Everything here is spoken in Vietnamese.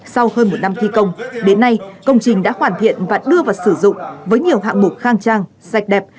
sau hơn một năm thi công đến nay công trình đã hoàn thiện và đưa vào sử dụng với nhiều hạng mục khang trang sạch đẹp